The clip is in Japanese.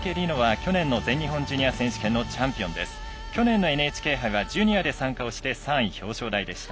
去年のＮＨＫ杯はジュニアで参加をして３位表彰台でした。